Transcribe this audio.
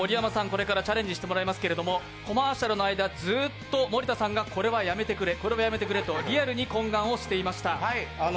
これからスタートですがコマーシャルの間、ずっと森田さんはこれはやめてくれこれはやめてくれとリアルに懇願をしていました。